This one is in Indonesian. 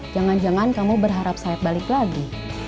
jangan jangan kamu berharap saya balik lagi